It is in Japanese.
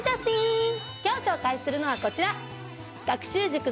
今日紹介するのはこちら。